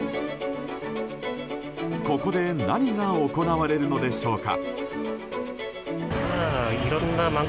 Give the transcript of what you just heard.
ここで何が行われるのでしょうか。